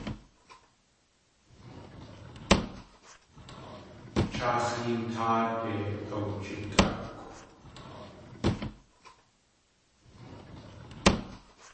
Cháax̲ héen táade awjitʼákw.